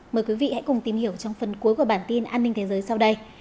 mời quý vị hãy cùng tìm hiểu trong phần cuối của bản tin an ninh thế giới sau đây